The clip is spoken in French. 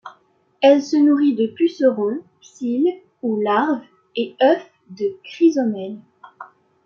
Elle se nourrit de pucerons, psylles ou larves et œufs de chrysomèles.